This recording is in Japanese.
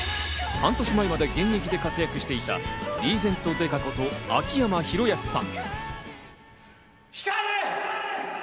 半年前まで現役で活躍していた、リーゼント刑事こと、秋山博康さん。